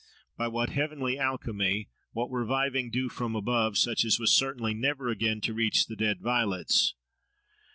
By what heavenly alchemy, what reviving dew from above, such as was certainly never again to reach the dead violets?